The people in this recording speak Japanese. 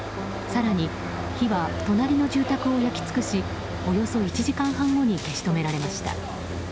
更には火は隣の住宅を焼き尽くしおよそ１時間半後に消し止められました。